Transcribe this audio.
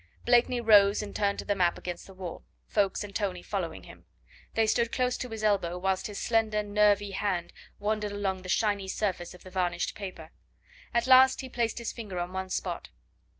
Blakeney rose and turned to the map against the wall, Ffoulkes and Tony following him. They stood close to his elbow whilst his slender, nervy hand wandered along the shiny surface of the varnished paper. At last he placed his finger on one spot.